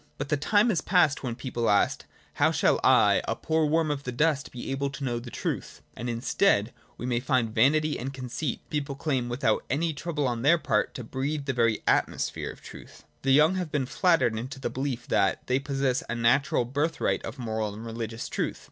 But the time is past when people asked : How shall I, a poor worm of the dust, be able to know the truth } And in its stead we find vanity and conceit : people claim, without any trouble on their part, to breathe the very atmosphere of truth. The young have been flattered into the beUef that they possess a natural birthright of moral and religious truth.